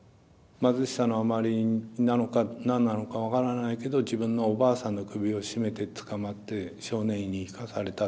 貧しさのあまりなのか何なのか分からないけど自分のおばあさんの首を絞めて捕まって少年院に行かされたって。